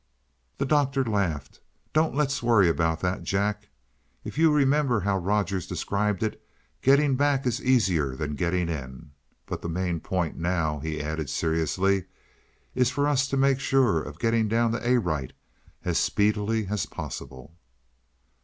The Doctor laughed. "Don't let's worry about that, Jack. If you remember how Rogers described it, getting back is easier than getting in. But the main point now," he added seriously, "is for us to make sure of getting down to Arite as speedily as possible."